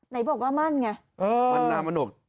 ไหนบอกว่ามั่นเนี่ยอืมมันน่ามันแหนลก